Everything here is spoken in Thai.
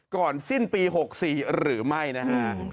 ก่อนสิ้นปี๖๔หรือไม่นะฮะ